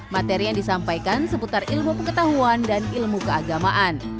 materi yang disampaikan seputar ilmu pengetahuan dan ilmu keagamaan